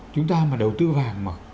chúng ta mà đầu tư vào mà